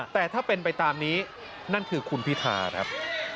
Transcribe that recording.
แต่ถ้าเป็นไปตามนี้นั่นคือคุณพิธาครับ